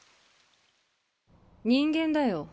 人間だよ。